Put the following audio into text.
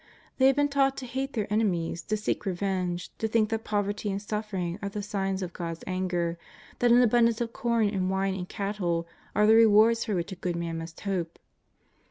Thej have been taught to hate their enemies, to seek revenge, to think that poverty and suffering are the signs of God's anger, that an abundance of corn and wine and cattle are the rewards for which a good man must hope.